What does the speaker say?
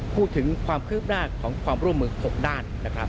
พูดถึงความคืบหน้าของความร่วมมือ๖ด้านนะครับ